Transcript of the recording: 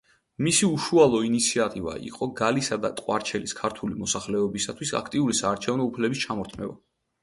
მისი უშუალო ინიციატივა იყო გალისა და ტყვარჩელი ქართული მოსახლეობისათვის აქტიური საარჩევნო უფლების ჩამორთმევა.